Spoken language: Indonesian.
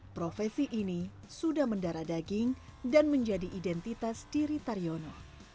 profesi ini sudah mendara daging dan menjadi identitas diri taryono